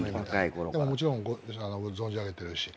でももちろん存じ上げてるし。